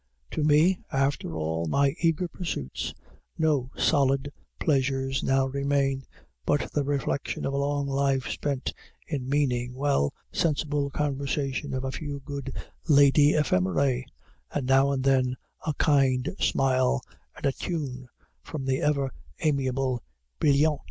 To me, after all my eager pursuits, no solid pleasures now remain, but the reflection of a long life spent in meaning well, the sensible conversation of a few good lady ephemeræ, and now and then a kind smile and a tune from the ever amiable Brillante.